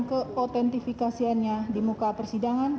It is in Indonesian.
keotentifikasiannya di muka persidangan